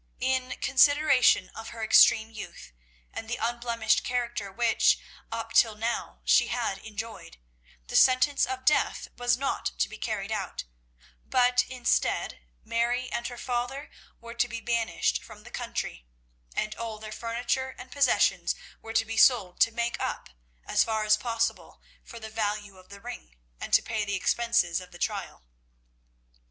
In consideration of her extreme youth and the unblemished character which, up till now, she had enjoyed, the sentence of death was not to be carried out; but instead, Mary and her father were to be banished from the country, and all their furniture and possessions were to be sold to make up, as far as possible, for the value of the ring, and to pay the expenses of the trial.